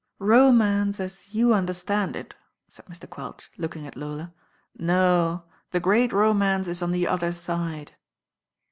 "Romance as you understand it/' said Mr. Quelch, looking at Lola. "No ; the great romance it on the Other Side."